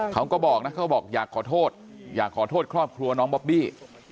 เขาก็บอกนะเขาบอกอยากขอโทษอยากขอโทษครอบครัวน้องบอบบี้